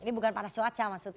ini bukan parah cuaca maksudnya